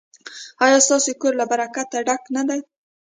ایا ستاسو کور له برکت ډک نه دی؟